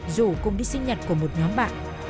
rủ cùng đi sinh nhật của một nhóm bạn